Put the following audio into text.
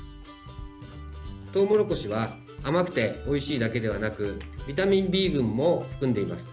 トウモロコシは甘くておいしいだけではなくビタミンＢ群も含んでいます。